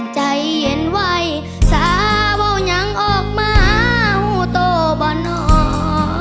ใจเย็นไหวสาวเย็งออกมาโตบอนออก